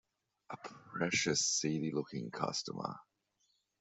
A precious seedy-looking customer.